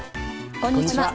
こんにちは。